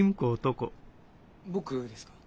僕ですか？